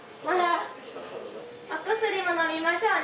お薬ものみましょうね。